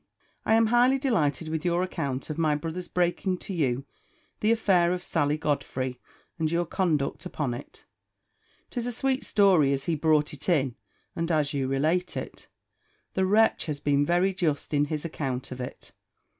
I am highly delighted with your account of my brother's breaking to you the affair of Sally Godfrey, and your conduct upon it. 'Tis a sweet story as he brought it in, and as you relate it. The wretch has been very just in his account of it.